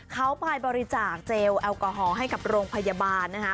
เขาไปบริจาคเจลแอลกอฮอล์ให้กับโรงพยาบาลนะคะ